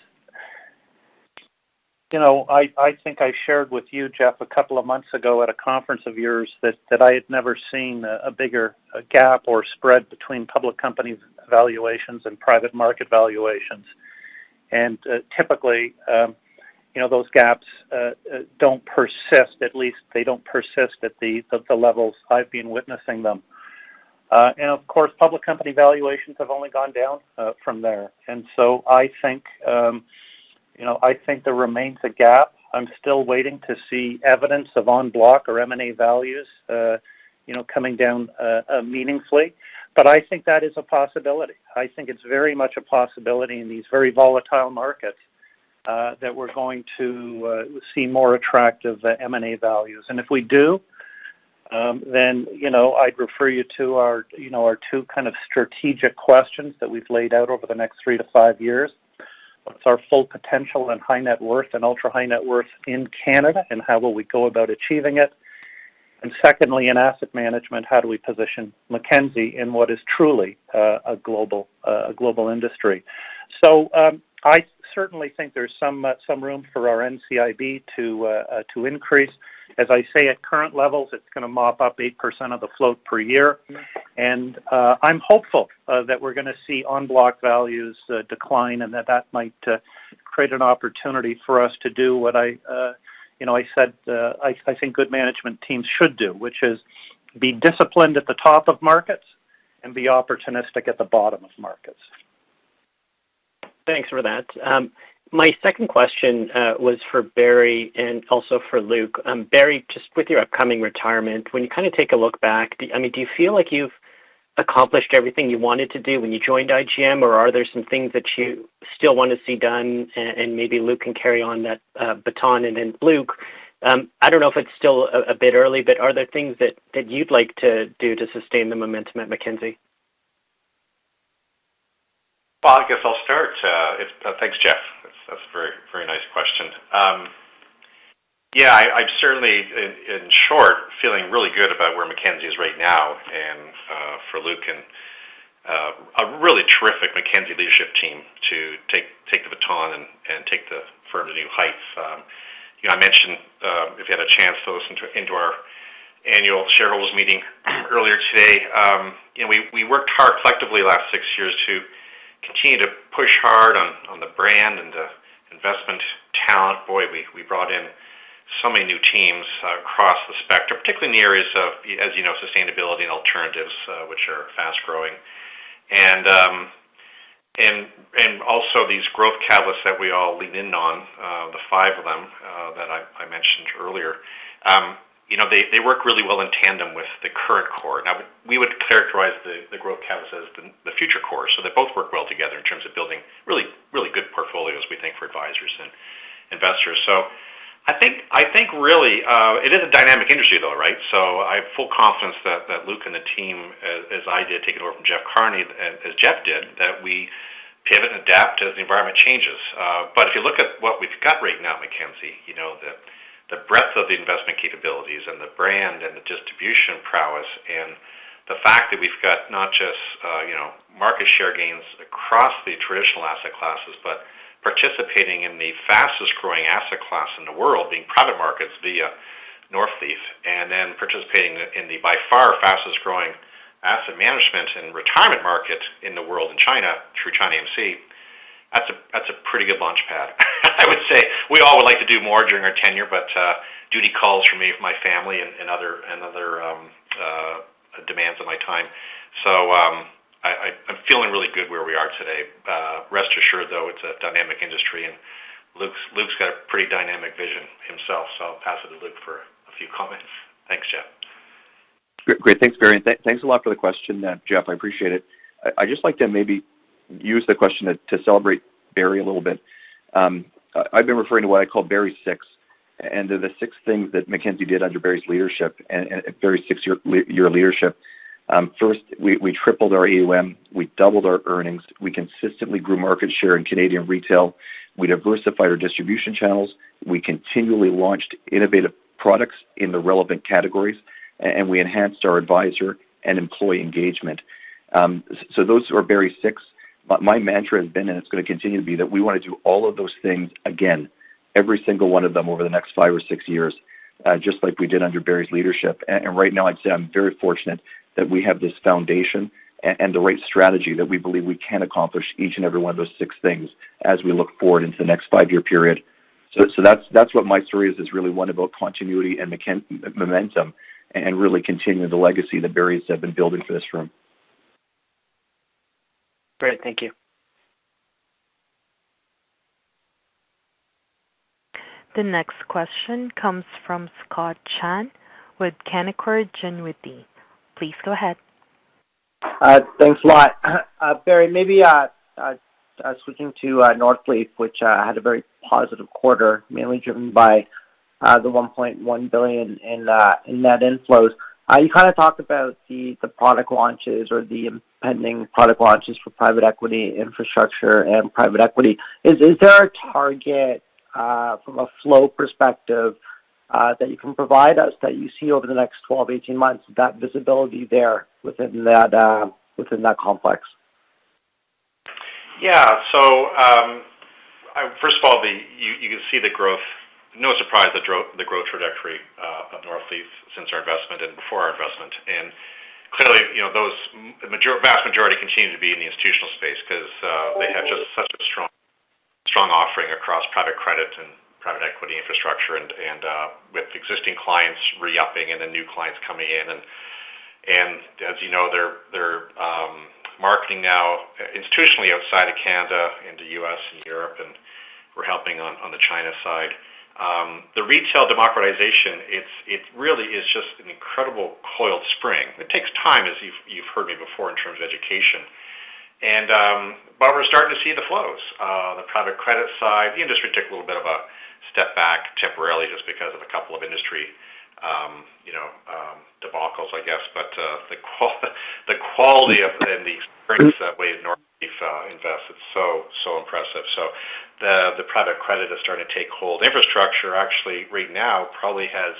you know, I think I shared with you, Geoff, a couple of months ago at a conference of yours that I had never seen a bigger gap or spread between public company valuations and private market valuations. Typically, you know, those gaps don't persist, at least they don't persist at the levels I've been witnessing them. Of course, public company valuations have only gone down from there. I think there remains a gap. I'm still waiting to see evidence of en bloc or M&A values, you know, coming down meaningfully. I think that is a possibility. I think it's very much a possibility in these very volatile markets that we're going to see more attractive M&A values. If we do, then, you know, I'd refer you to our, you know, our 2 kind of strategic questions that we've laid out over the next 3 to 5 years. What's our full potential in high net worth and ultra-high net worth in Canada, and how will we go about achieving it? Secondly, in asset management, how do we position Mackenzie in what is truly a global industry? I certainly think there's some room for our NCIB to increase. As I say, at current levels, it's gonna mop up 8% of the float per year. I'm hopeful that we're gonna see on-block values decline and that might create an opportunity for us to do what I you know I said I think good management teams should do, which is be disciplined at the top of markets and be opportunistic at the bottom of markets. Thanks for that. My second question was for Barry and also for Luke. Barry, just with your upcoming retirement, when you kind of take a look back, I mean, do you feel like you've accomplished everything you wanted to do when you joined IGM, or are there some things that you still want to see done and maybe Luke can carry on that baton? Then Luke, I don't know if it's still a bit early, but are there things that you'd like to do to sustain the momentum at Mackenzie? Well, I guess I'll start. Thanks, Jeff. That's a very nice question. Yeah, I'm certainly, in short, feeling really good about where Mackenzie is right now, and for Luke and a really terrific Mackenzie leadership team to take the baton and take the firm to new heights. You know, I mentioned if you had a chance to listen into our annual shareholders meeting earlier today, you know, we worked hard collectively the last six years to continue to push hard on the brand and the investment talent. Boy, we brought in so many new teams across the spectrum, particularly in the areas of, as you know, sustainability and alternatives, which are fast-growing. Also these growth catalysts that we all lean in on, the five of them, that I mentioned earlier. You know, they work really well in tandem with the current core. Now we would characterize the growth catalyst as the future core. They both work well together in terms of building really good portfolios, we think, for advisors and investors. I think really it is a dynamic industry though, right? I have full confidence that Luke and the team as I did take it over from Jeff Carney, as Jeff did, that we pivot and adapt as the environment changes. If you look at what we've got right now at Mackenzie, you know, the breadth of the investment capabilities and the brand and the distribution prowess, and the fact that we've got not just you know, market share gains across the traditional asset classes, but participating in the fastest-growing asset class in the world, being private markets via Northleaf, and then participating in the by far fastest-growing asset management and retirement market in the world in China through China AMC. That's a pretty good launchpad. I would say we all would like to do more during our tenure, but duty calls for me with my family and other demands of my time. I'm feeling really good where we are today. Rest assured, though, it's a dynamic industry, and Luke's got a pretty dynamic vision himself. I'll pass it to Luke for a few comments. Thanks, Jeff. Great. Thanks, Barry. Thanks a lot for the question, Geoff, I appreciate it. I just like to maybe use the question to celebrate Barry a little bit. I've been referring to what I call Barry 6, and they're the 6 things that Mackenzie did under Barry's leadership and Barry's 6-year leadership. First, we tripled our AUM. We doubled our earnings. We consistently grew market share in Canadian retail. We diversified our distribution channels. We continually launched innovative products in the relevant categories, and we enhanced our advisor and employee engagement. So those are Barry 6. My mantra has been, and it's gonna continue to be, that we wanna do all of those things again, every single one of them over the next five or six years, just like we did under Barry's leadership. Right now I'd say I'm very fortunate that we have this foundation and the right strategy that we believe we can accomplish each and every one of those 6 things as we look forward into the next 5-year period. So that's what my story is, really one about continuity and momentum and really continuing the legacy that Barry has been building for this firm. Great. Thank you. The next question comes from Scott Chan with Canaccord Genuity. Please go ahead. Thanks a lot. Barry, maybe switching to Northleaf, which had a very positive quarter, mainly driven by the 1.1 billion in net inflows. You kind of talked about the product launches or the impending product launches for private equity, infrastructure, and private equity. Is there a target from a flow perspective that you can provide us that you see over the next 12-18 months, that visibility there within that complex? First of all, you can see the growth. No surprise the growth trajectory of Northleaf since our investment and before our investment. Clearly, you know, those vast majority continue to be in the institutional space 'cause they have just such a strong offering across private credit and private equity infrastructure and with existing clients re-upping and the new clients coming in. As you know, they're marketing now institutionally outside of Canada into US and Europe, and we're helping on the China side. The retail democratization, it really is just an incredible coiled spring. It takes time, as you've heard me before, in terms of education. We're starting to see the flows. The private credit side, the industry took a little bit of a step back temporarily just because of a couple of industry, you know, debacles, I guess. The quality of and the experience that way at Northleaf, it's so impressive. The private credit is starting to take hold. Infrastructure actually right now probably has,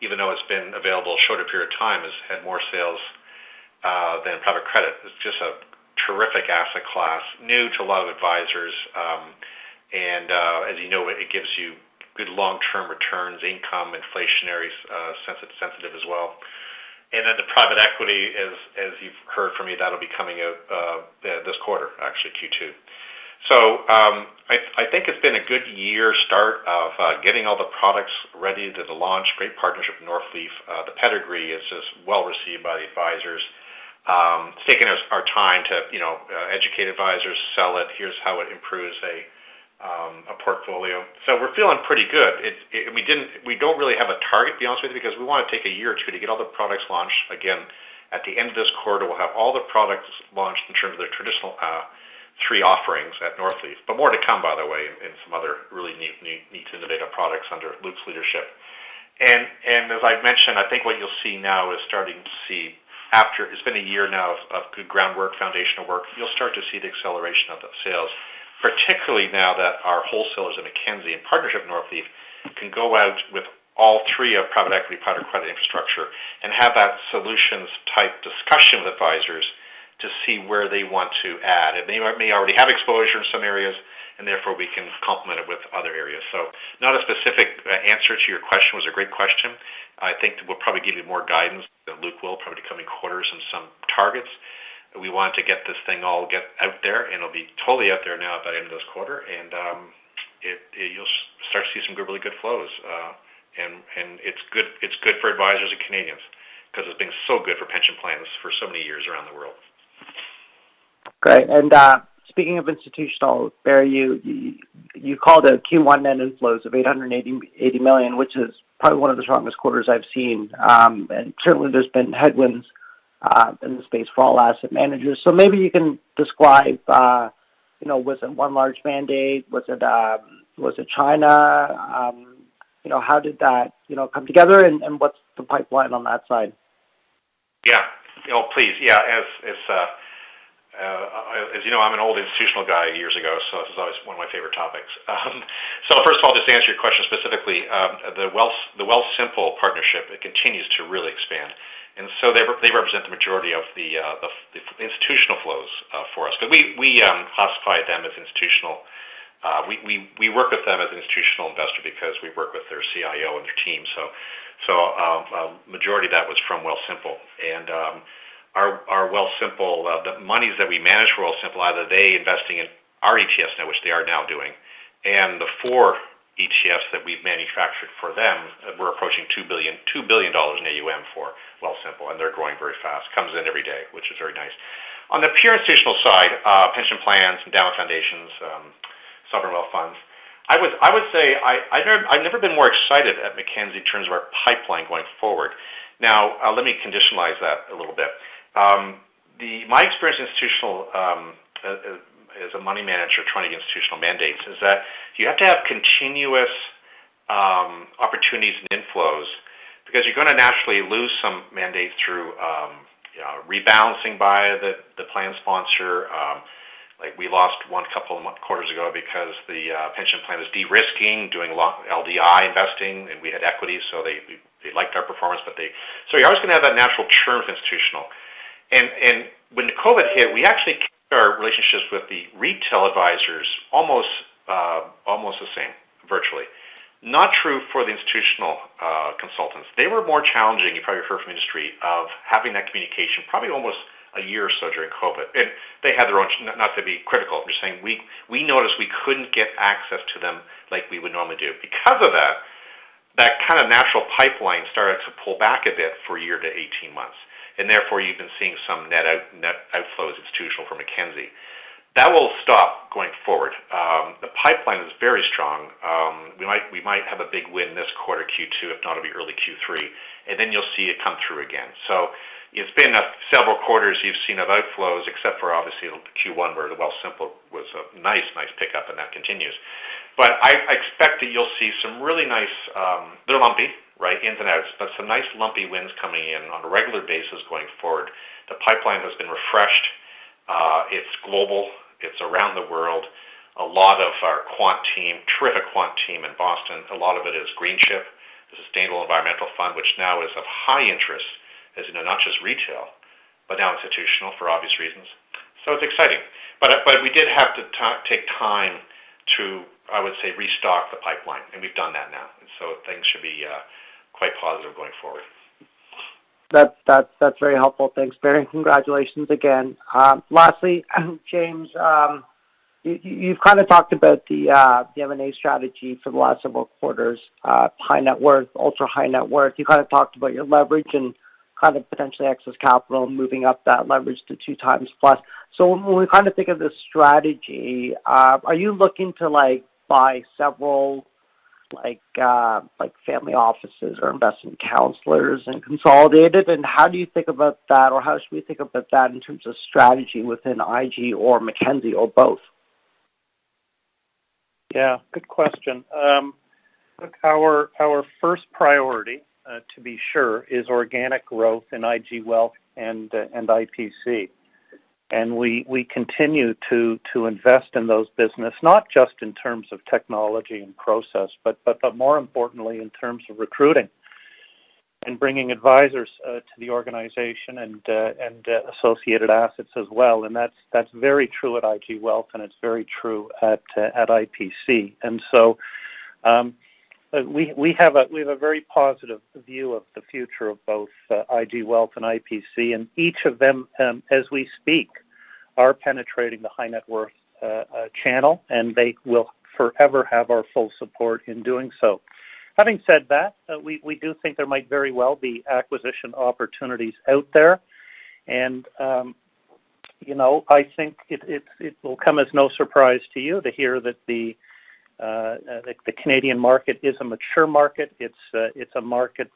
even though it's been available shorter period of time, has had more sales, than private credit. It's just a terrific asset class, new to a lot of advisors. As you know, it gives you good long-term returns, income, inflationaries, since it's sensitive as well. Then the private equity, as you've heard from me, that'll be coming out, this quarter, actually Q2. I think it's been a good year start of getting all the products ready to the launch. Great partnership with Northleaf. The pedigree is just well received by the advisors. It's taken us our time to, you know, educate advisors, sell it, here's how it improves a portfolio. We're feeling pretty good. We don't really have a target, to be honest with you, because we wanna take a year or two to get all the products launched. Again, at the end of this quarter, we'll have all the products launched in terms of their traditional three offerings at Northleaf. But more to come, by the way, in some other really neat innovative products under Luke's leadership. And as I've mentioned, I think what you'll see now is starting to see after. It's been a year now of good groundwork, foundational work. You'll start to see the acceleration of the sales, particularly now that our wholesalers at Mackenzie in partnership with Northleaf can go out with all 3 of private equity, private credit, infrastructure and have that solutions type discussion with advisors to see where they want to add. They might already have exposure in some areas, and therefore we can complement it with other areas. Not a specific answer to your question. It was a great question. I think we'll probably give you more guidance, that Luke will probably the coming quarters and some targets. We want to get this thing get out there, and it'll be totally out there now by the end of this quarter. You'll start to see some really good flows. It's good for advisors and Canadians 'cause it's been so good for pension plans for so many years around the world. Great. Speaking of institutional, Barry McInerney, you called a Q1 net inflows of 880 million, which is probably one of the strongest quarters I've seen. Certainly there's been headwinds in the space for all asset managers. Maybe you can describe, you know, was it one large mandate? Was it China? You know, how did that, you know, come together? And what's the pipeline on that side? Yeah. Oh, please, yeah. As you know, I'm an old institutional guy years ago, so this is always one of my favorite topics. First of all, just to answer your question specifically, the Wealthsimple partnership, it continues to really expand. They represent the majority of the institutional flows for us. We classify them as institutional. We work with them as an institutional investor because we work with their CIO and their team. Majority of that was from Wealthsimple. Our Wealthsimple, the monies that we manage for Wealthsimple, either they investing in our ETFs now, which they are now doing, and the 4 ETFs that we've manufactured for them, we're approaching 2 billion dollars in AUM for Wealthsimple, and they're growing very fast. Comes in every day, which is very nice. On the pure institutional side, pension plans, endowment foundations, sovereign wealth funds, I would say I've never been more excited at Mackenzie Investments in terms of our pipeline going forward. Now, let me contextualize that a little bit. My experience institutional, as a money manager trying to get institutional mandates is that you have to have continuous opportunities and inflows because you're gonna naturally lose some mandates through, you know, rebalancing by the plan sponsor. Like, we lost a couple of months ago because the pension plan was de-risking, doing LDI investing, and we had equity, so they liked our performance, but they. You're always gonna have that natural churn of institutional. When the COVID hit, we actually kept our relationships with the retail advisors almost the same, virtually. Not true for the institutional consultants. They were more challenging, you probably heard from industry of having that communication probably almost a year or so during COVID. They had their own. Not to be critical. I'm just saying we noticed we couldn't get access to them like we would normally do. Because of that kind of natural pipeline started to pull back a bit for a year to 18 months, and therefore, you've been seeing some net outflows institutional from Mackenzie. That will stop going forward. The pipeline is very strong. We might have a big win this quarter, Q2, if not, it'll be early Q3, and then you'll see it come through again. It's been several quarters you've seen of outflows, except for obviously Q1, where the Wealthsimple was a nice pickup, and that continues. I expect that you'll see some really nice little lumpy, right, ins and outs, but some nice lumpy wins coming in on a regular basis going forward. The pipeline has been refreshed. It's global. It's around the world. A lot of our quant team, terrific quant team in Boston, a lot of it is Greenchip, the sustainable environmental fund, which now is of high interest, as in not just retail, but now institutional for obvious reasons. It's exciting. But we did have to take time to, I would say, restock the pipeline, and we've done that now. Things should be quite positive going forward. That's very helpful. Thanks, Barry, and congratulations again. Lastly, James, you've kind of talked about the M&A strategy for the last several quarters, high net worth, ultra high net worth. You kind of talked about your leverage and kind of potentially excess capital moving up that leverage to 2 times plus. When we kind of think of the strategy, are you looking to, like, buy several, like, family offices or investment counselors and consolidated, and how do you think about that? Or how should we think about that in terms of strategy within IG or Mackenzie or both? Yeah, good question. Our first priority, to be sure, is organic growth in IG Wealth and IPC. We continue to invest in those business, not just in terms of technology and process, but more importantly in terms of recruiting and bringing advisors to the organization and associated assets as well. That's very true at IG Wealth, and it's very true at IPC. We have a very positive view of the future of both IG Wealth and IPC. Each of them, as we speak, are penetrating the high-net-worth channel, and they will forever have our full support in doing so. Having said that, we do think there might very well be acquisition opportunities out there. You know, I think it will come as no surprise to you to hear that the Canadian market is a mature market. It's a market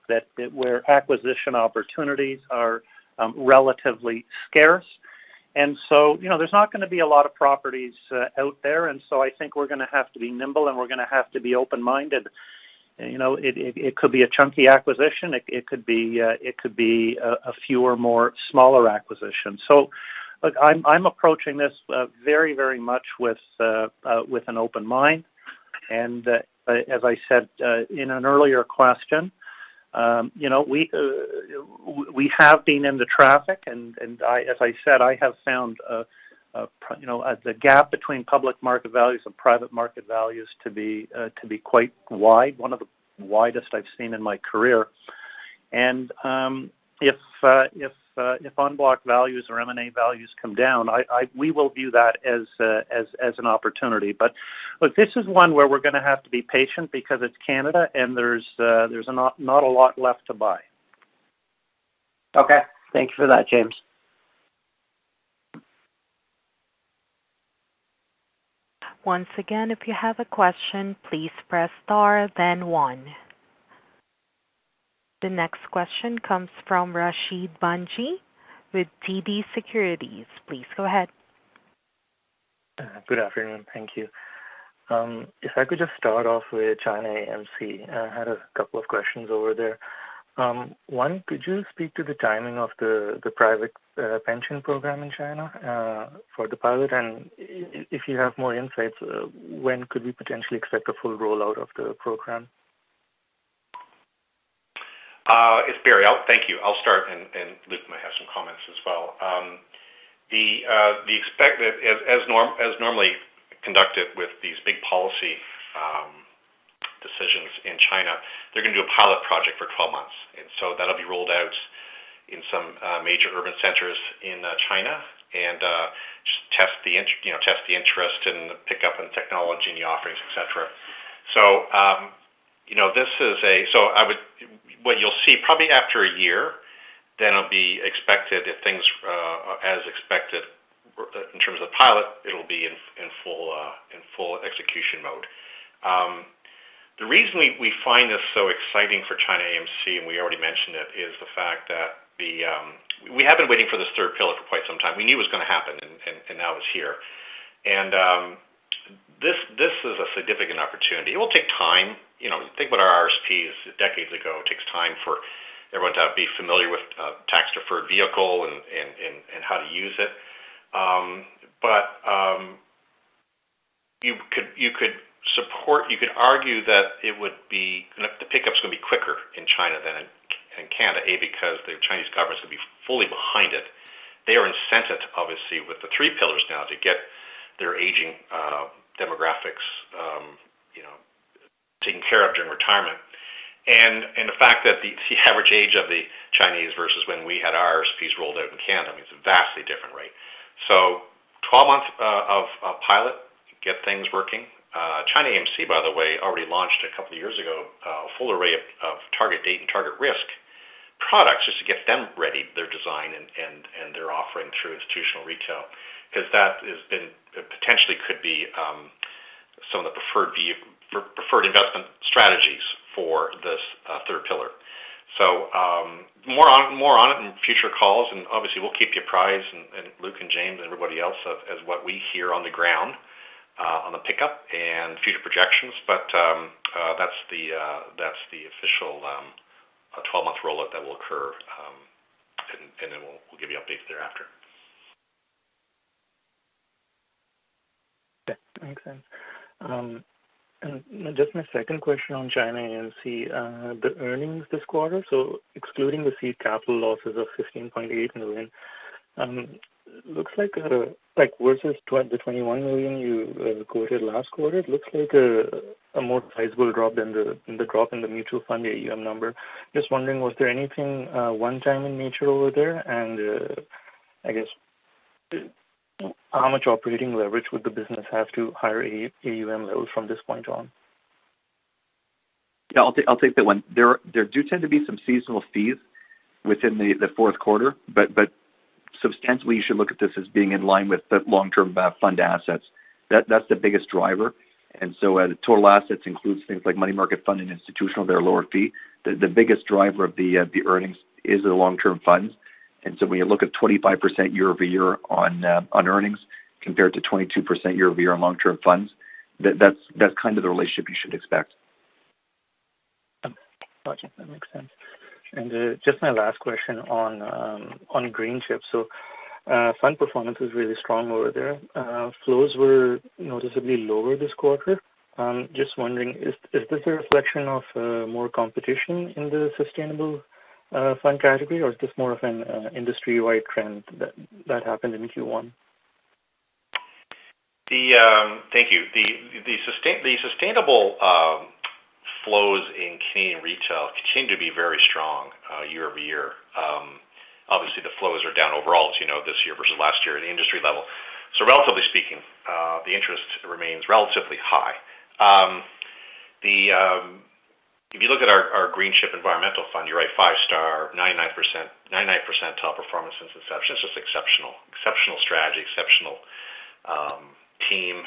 where acquisition opportunities are relatively scarce. You know, there's not going to be a lot of properties out there. I think we're going to have to be nimble, and we're going to have to be open-minded. You know, it could be a chunky acquisition. It could be a few more smaller acquisitions. Look, I'm approaching this very much with an open mind. As I said in an earlier question, you know, we have been in the trenches and I... As I said, I have found, you know, the gap between public market values and private market values to be quite wide, one of the widest I've seen in my career. If unlocked values or M&A values come down, we will view that as an opportunity. Look, this is one where we're going to have to be patient because it's Canada, and there's not a lot left to buy. Okay. Thank you for that, James. Once again, if you have a question, please press Star then one. The next question comes from Rashid Banji with TD Securities. Please go ahead. Good afternoon. Thank you. If I could just start off with China AMC. I had a couple of questions over there. 1, could you speak to the timing of the private pension program in China for the pilot? If you have more insights, when could we potentially expect a full rollout of the program? It's Barry. Thank you. I'll start, and Luke might have some comments as well. As normally conducted with these big policy decisions in China, they're going to do a pilot project for 12 months. That'll be rolled out in some major urban centers in China and test the interest and pick up on technology and the offerings, et cetera. You know, what you'll see probably after a year, then it'll be expected if things are as expected in terms of pilot, it'll be in full execution mode. The reason we find this so exciting for China AMC, and we already mentioned it, is the fact that we have been waiting for this third pillar for quite some time. We knew it was going to happen, and now it's here. This is a significant opportunity. It will take time. You know, think about our RSPs decades ago. It takes time for everyone to be familiar with tax-deferred vehicle and how to use it. You could argue that it would be. The pickup's going to be quicker in China than in Canada because the Chinese government would be fully behind it. They are incented, obviously, with the three pillars now to get their aging demographics, you know, taken care of during retirement. The fact that the average age of the Chinese versus when we had RSPs rolled out in Canada, I mean, it's a vastly different rate. 12 months of pilot, get things working. China AMC, by the way, already launched a couple of years ago a full array of target date and target risk products just to get them ready, their design and their offering through institutional retail. Because that has been potentially could be some of the preferred investment strategies for this third pillar. More on it in future calls, and obviously, we'll keep you apprised, and Luke and James and everybody else of as what we hear on the ground on the pickup and future projections. That's the official 12-month rollout that will occur. We'll give you updates thereafter. That makes sense. Just my second question on China AMC, the earnings this quarter, so excluding the seed capital losses of 15.8 million, looks like versus the 21 million you quoted last quarter, it looks like a more sizable drop than the drop in the mutual fund AUM number. Just wondering, was there anything one time in nature over there? I guess how much operating leverage would the business have at higher AUM levels from this point on? Yeah, I'll take that one. There do tend to be some seasonal fees within the Q4 but substantially, you should look at this as being in line with the long-term fund assets. That's the biggest driver. Total assets includes things like money market fund and institutional, they're lower fee. The biggest driver of the earnings is the long-term funds. When you look at 25% year-over-year on earnings compared to 22% year-over-year on long-term funds, that's kind of the relationship you should expect. Gotcha. That makes sense. Just my last question on Greenchip. Fund performance was really strong over there. Flows were noticeably lower this quarter. Just wondering, is this a reflection of more competition in the sustainable fund category, or is this more of an industry-wide trend that happened in Q1? Thank you. The sustainable flows in Canadian retail continue to be very strong year-over-year. Obviously the flows are down overall as you know, this year versus last year at the industry level. Relatively speaking, the interest remains relatively high. If you look at our Greenchip environmental fund, you're right, 5-star, 99%, 99% top performance since inception. It's just exceptional. Exceptional strategy, exceptional team.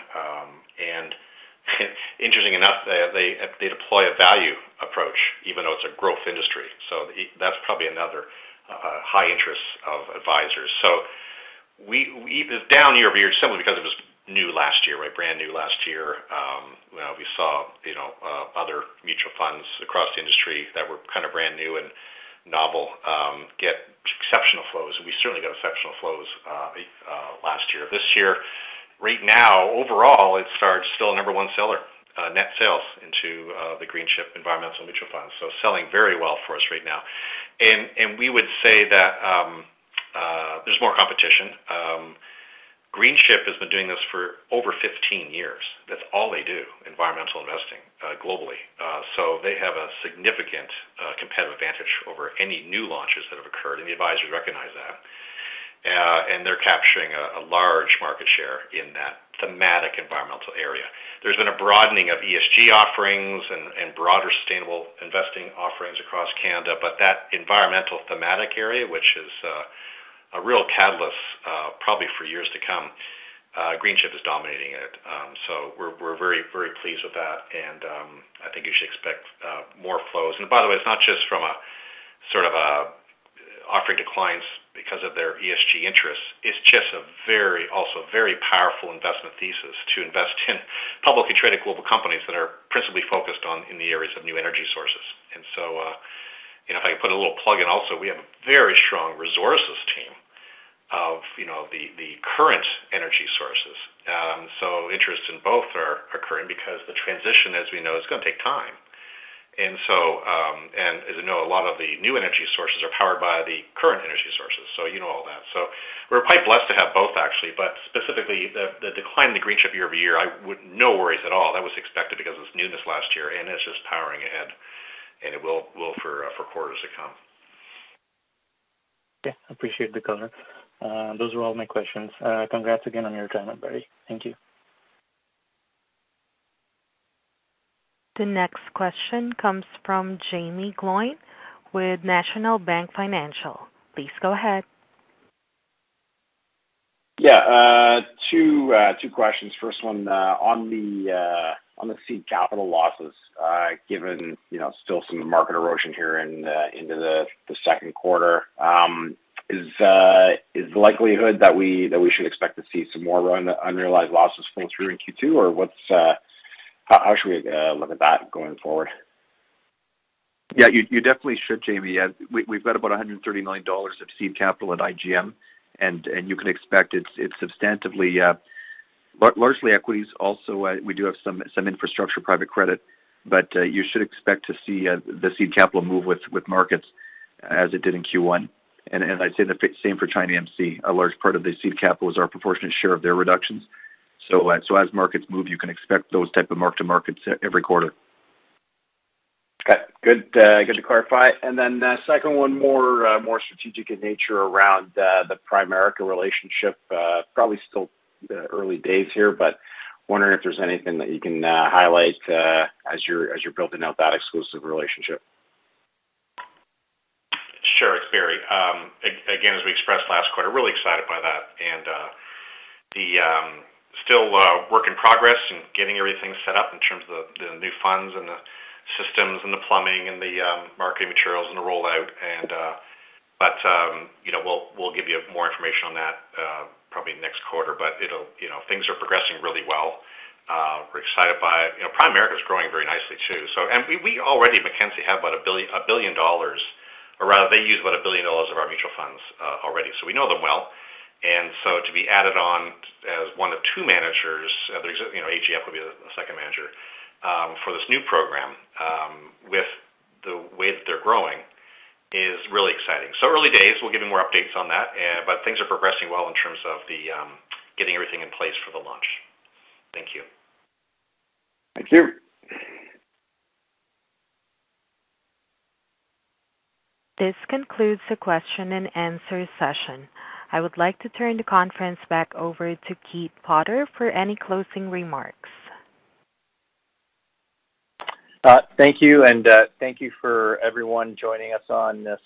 Interesting enough, they deploy a value approach even though it's a growth industry. That's probably another high interest of advisors. It was down year-over-year simply because it was new last year, right? Brand new last year. You know, we saw you know, other mutual funds across the industry that were kind of brand new and novel get exceptional flows. We certainly got exceptional flows last year. This year, right now, overall, it starts still a number one seller, net sales into the Greenchip environmental mutual fund. Selling very well for us right now. We would say that there's more competition. Greenchip has been doing this for over 15 years. That's all they do, environmental investing, globally. They have a significant competitive advantage over any new launches that have occurred, and the advisors recognize that. They're capturing a large market share in that thematic environmental area. There's been a broadening of ESG offerings and broader sustainable investing offerings across Canada. That environmental thematic area, which is a real catalyst, probably for years to come, Greenchip is dominating it. We're very pleased with that. I think you should expect more flows. By the way, it's not just from a sort of an offering to clients because of their ESG interests. It's just a very also very powerful investment thesis to invest in publicly traded global companies that are principally focused on in the areas of new energy sources. You know, if I can put a little plug in also, we have a very strong resources team of, you know, the current energy sources. Interest in both are occurring because the transition, as we know, is gonna take time. As you know, a lot of the new energy sources are powered by the current energy sources. You know all that. We're quite blessed to have both actually. Specifically, the decline in the Greenchip year-over-year, no worries at all. That was expected because it was new this last year, and it's just powering ahead, and it will for quarters to come. Okay. Appreciate the color. Those were all my questions. Congrats again on your retirement, Barry. Thank you. The next question comes from Jaeme Gloyn with National Bank Financial. Please go ahead. Yeah, 2 questions. First one, on the seed capital losses. Given you know, still some market erosion here into the second quarter, is the likelihood that we should expect to see some more unrealized losses flow through in Q2 or what's. How should we look at that going forward? Yeah, you definitely should, Jaeme. We've got about 130 million dollars of seed capital at IGM, and you can expect it's substantially, but largely equities also. We do have some infrastructure, private credit, but you should expect to see the seed capital move with markets as it did in Q1. I'd say the same for China AMC. A large part of the seed capital is our proportionate share of their reductions. As markets move, you can expect those type of mark-to-markets every quarter. Okay. Good to clarify. Then, second 1, more strategic in nature around the Primerica relationship. Probably still early days here, but wondering if there's anything that you can highlight as you're building out that exclusive relationship. Sure. It's Barry. Again, as we expressed last quarter, really excited by that. It's still a work in progress and getting everything set up in terms of the new funds and the systems and the plumbing and the marketing materials and the rollout. You know, we'll give you more information on that probably next quarter. You know, things are progressing really well. We're excited by it. You know, Primerica is growing very nicely too. We already at Mackenzie have about 1 billion dollars, or rather they use about 1 billion dollars of our mutual funds already. We know them well. To be added on as one of two managers, there's, you know, AGF will be the second manager for this new program with the way that they're growing is really exciting. Early days, we'll give you more updates on that. Things are progressing well in terms of the getting everything in place for the launch. Thank you. Thank you. This concludes the question and answer session. I would like to turn the conference back over to Keith Potter for any closing remarks. Thank you, and thank you for everyone joining us on this,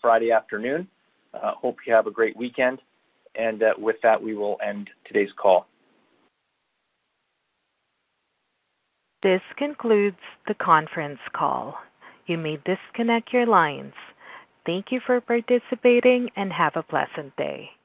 Friday afternoon. Hope you have a great weekend. With that, we will end today's call. This concludes the conference call. You may disconnect your lines. Thank you for participating, and have a pleasant day.